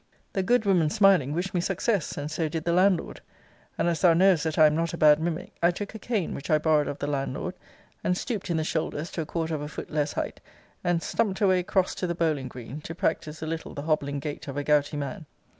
The good woman smiling, wished me success; and so did the landlord. And as thou knowest that I am not a bad mimic, I took a cane, which I borrowed of the landlord, and stooped in the shoulders to a quarter of a foot less height, and stumped away cross to the bowling green, to practise a little the hobbling gait of a gouty man.